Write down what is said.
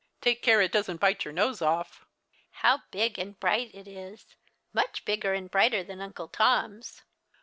" Take care it doesn't bite your nose off." " How big and brio ht it is — much bio oer and briohter than Uncle Tom's."